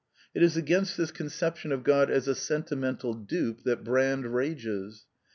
It is against this conception of God as a sentimental dupe that Brand rages.